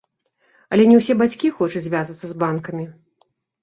Але не ўсе бацькі хочуць звязвацца з банкамі.